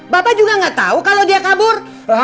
bapak juga gak tau kalo dia kabur